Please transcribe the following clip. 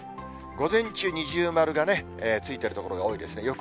午前中、二重丸がね、ついてる所が多いですね。